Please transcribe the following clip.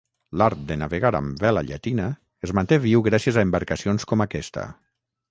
L'art de navegar amb vela llatina es manté viu gràcies a embarcacions com aquesta.